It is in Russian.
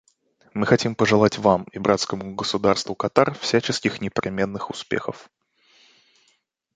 Мы хотим пожелать Вам и братскому государству Катар всяческих непременных успехов.